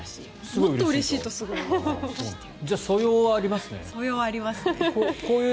もっとうれしいとすごくこう。